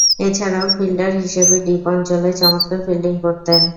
এছাড়াও, ফিল্ডার হিসেবে ডিপ অঞ্চলে চমৎকার ফিল্ডিং করতেন।